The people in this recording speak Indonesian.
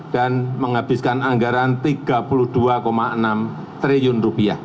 dan menghabiskan anggaran rp tiga puluh dua enam triliun